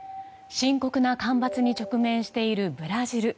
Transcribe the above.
深刻な干ばつに直面しているブラジル。